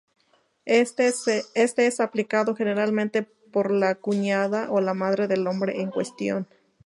Este es aplicado generalmente por la cuñada o la madre del hombre en cuestión.